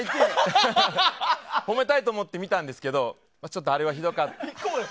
褒めたいと思って見たんですけどちょっとあれはひどかった。